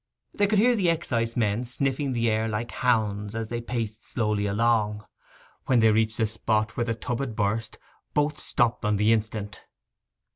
They could hear the excisemen sniffing the air like hounds as they paced slowly along. When they reached the spot where the tub had burst, both stopped on the instant.